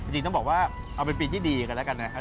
จริงต้องบอกว่าเอาเป็นปีที่ดีกันแล้วกันนะครับ